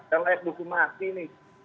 mereka layak di hukum nanti ini